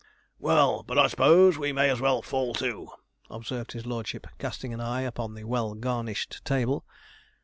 'Well, but I s'pose we may as well fall to,' observed his lordship, casting his eye upon the well garnished table.